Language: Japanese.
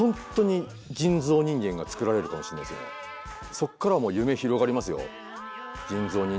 そっからはもう夢広がりますよ。